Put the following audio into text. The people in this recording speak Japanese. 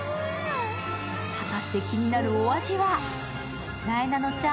果たして、気になるお味は？